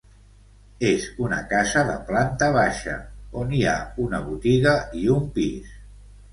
És una casa de planta baixa, on hi ha una botiga, i un pis.